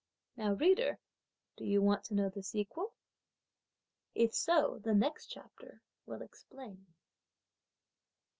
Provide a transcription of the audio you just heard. Now, reader, do you want to know the sequel? If so the next chapter will explain.